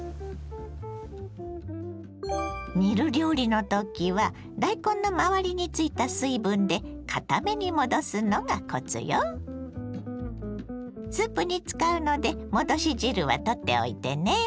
煮る料理の時は大根の周りについた水分でスープに使うので戻し汁は取っておいてね。